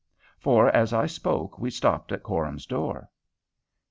For as I spoke we stopped at Coram's door.